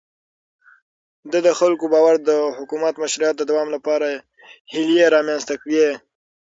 ده د خلکو باور او د حکومت مشروعيت د دوام لپاره هيلې رامنځته کړې.